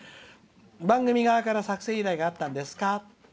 番組側から作成依頼があったんですか？」。